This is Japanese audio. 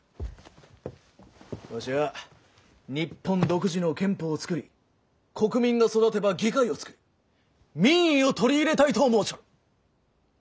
わしは日本独自の憲法を作り国民が育てば議会を作り民意を取り入れたいと思うちょる。